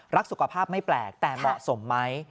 รักสุขภาพไม่แปลกแต่เหมาะสมไหม